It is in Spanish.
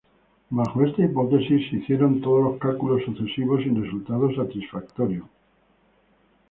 Bajo esta hipótesis, se hicieron todos los cálculos sucesivos, sin resultado satisfactorio.